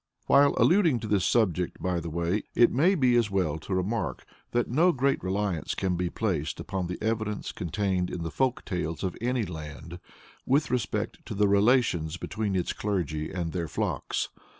While alluding to this subject, by the way, it may be as well to remark that no great reliance can be placed upon the evidence contained in the folk tales of any land, with respect to the relations between its clergy and their flocks.